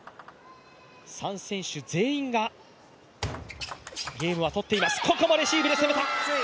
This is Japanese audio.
３選手全員がゲームは取っています。